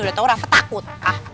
udah tau rasa takut